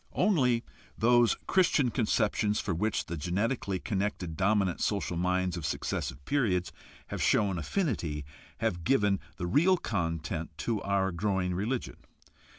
Only those Christian conceptions for which the genetically connected dominant social minds of successive periods have shown affinity have given the real content to our growing religion.